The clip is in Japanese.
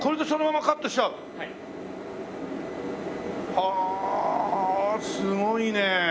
ああすごいね。